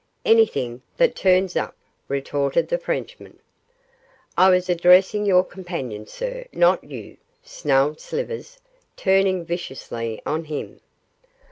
'Anything that turns up,' retorted the Frenchman. 'I was addressing your companion, sir; not you,' snarled Slivers, turning viciously on him.